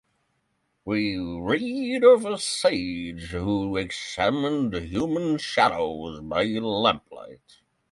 We read of a sage who examined human shadows by lamplight.